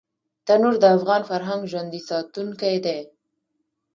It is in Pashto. تنور د افغان فرهنګ ژوندي ساتونکی دی